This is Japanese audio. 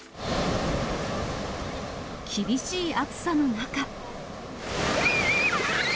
厳しい暑さの中。